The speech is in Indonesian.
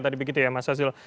tadi begitu ya mas azul